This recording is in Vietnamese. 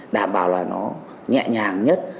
đảm bảo là nó nhẹ nhàng nhất